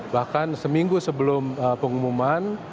bahkan seminggu sebelum pengumuman